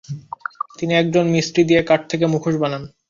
তিনি একজন মিস্ত্রি দিয়ে কাঠ থেকে মুখোশ বানান।